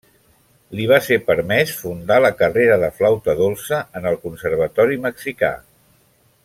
Li va ser permès fundar la carrera de flauta dolça en el conservatori mexicà.